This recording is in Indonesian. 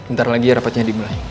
ntar lagi rapatnya dimulai